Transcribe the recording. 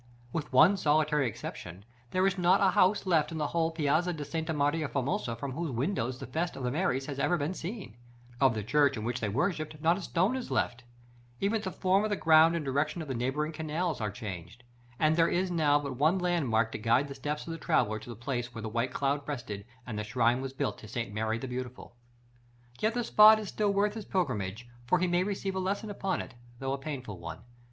With one solitary exception, there is not a house left in the whole Piazza of Santa Maria Formosa from whose windows the festa of the Maries has ever been seen: of the church in which they worshipped, not a stone is left, even the form of the ground and direction of the neighboring canals are changed; and there is now but one landmark to guide the steps of the traveller to the place where the white cloud rested, and the shrine was built to St. Mary the Beautiful. Yet the spot is still worth his pilgrimage, for he may receive a lesson upon it, though a painful one.